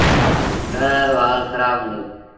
گھرآݩ رو هآل کرآب هُݩدو۔